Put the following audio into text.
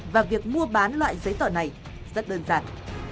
và việc mua bán loại giấy tờ này rất đơn giản